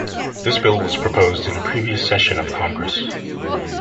This bill was proposed in a previous session of Congress.